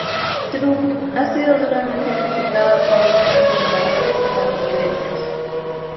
Trump ha sido duramente criticado por otros conservadores estadounidenses.